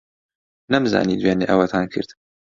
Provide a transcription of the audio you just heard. نەمزانی دوێنێ ئەوەتان کرد.